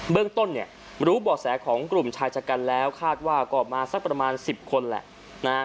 เบื้องต้นรู้บ่อแสของกลุ่มชายจัดการแล้วคาดว่าก็ออกมาสักประมาณ๑๐คนแหละ